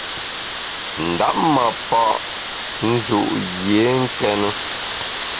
Ndap ma pa’ nju’ yié nkéne.